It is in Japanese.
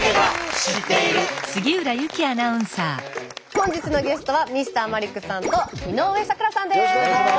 本日のゲストはＭｒ．マリックさんと井上咲楽さんです。